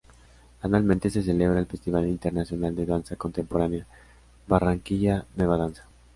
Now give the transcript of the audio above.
Anualmente se celebra el Festival Internacional de Danza Contemporánea "Barranquilla Nueva Danza".